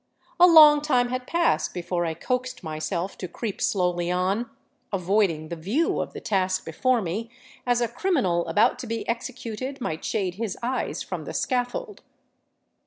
A long time had passed before I coaxed myself to creep slowly on, avoiding the view of the task before me as a criminal about to be exe cuted might shade his eyes from the scaffold.